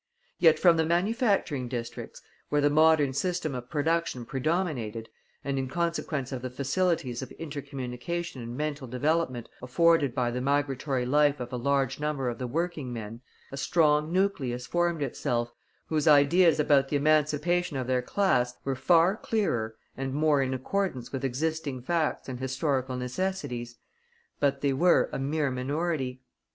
Yet from the manufacturing districts, where the modern system of production predominated, and in consequence of the facilities of inter communication and mental development afforded by the migratory life of a large number of the working men, a strong nucleus formed itself, whose ideas about the emancipation of their class were far clearer and more in accordance with existing facts and historical necessities; but they were a mere minority.